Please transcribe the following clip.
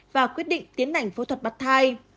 và quyết định tiến nảnh phẫu thuật bắt thai